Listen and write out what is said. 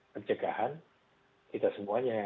pencegahan kita semuanya yang